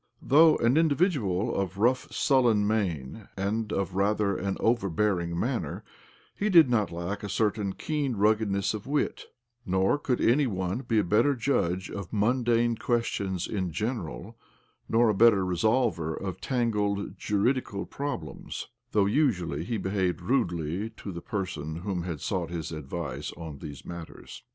Though an individual of rough, sullen mien, and of rather an overbearing manner, he did not lack a certain keen ruggedness of wit ; nor could any one be a better judge of mundane questions in general, nor a better resolver of tangled juridical problems (though usually he behaved rudely to the person who had sought his advice on these matters).